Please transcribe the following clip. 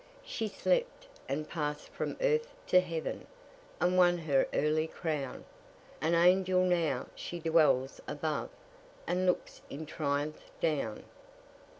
She slept, and passed from earth to heaven, And won her early crown: An angel now she dwells above, And looks in triumph down.